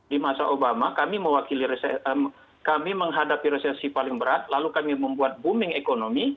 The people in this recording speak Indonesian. di masa obama kami menghadapi resesi paling berat lalu kami membuat booming economy